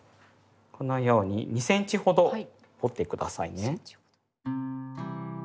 このように２センチほど掘って下さいね。